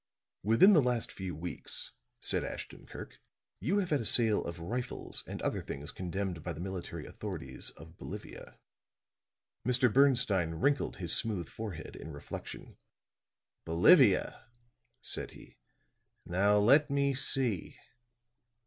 "Within the last few weeks," said Ashton Kirk, "you have had a sale of rifles and other things condemned by the military authorities of Bolivia." Mr. Bernstine wrinkled his smooth forehead in reflection. "Bolivia?" said he. "Now let me see."